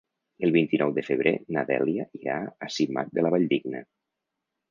El vint-i-nou de febrer na Dèlia irà a Simat de la Valldigna.